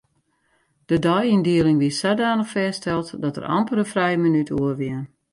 De deiyndieling wie sadanich fêststeld dat der amper in frije minút oer wie.